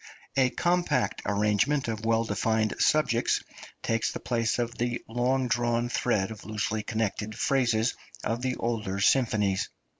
A compact arrangement of well defined subjects takes the place of the long drawn thread of loosely connected phrases of the older symphonies.